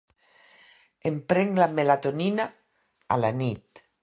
Em prenc la melatonina a la nit.